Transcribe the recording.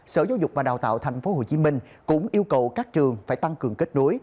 sở giáo dục và đào tạo tp hcm cũng yêu cầu các trường phải tăng cường kết nối